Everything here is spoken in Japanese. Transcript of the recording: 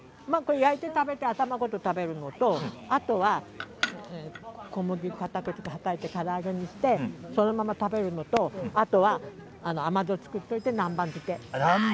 焼いて食べて頭ごと食べるのとあとは小麦粉をはたいてから揚げにして食べるのとあとは甘酢を作っておいて南蛮漬け。